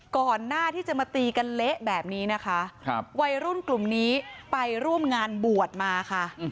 ก่อนหน้าที่จะมาตีกันเละแบบนี้นะคะวัยรุ่นกลุ่มนี้ไปร่วมงานบวชมาค่ะ